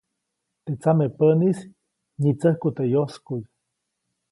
Teʼ tsamepäʼnis nyitsäjku teʼ yoskuʼy.